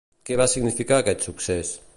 Què va significar aquest succés?